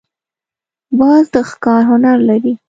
باز د ښکار هنر لري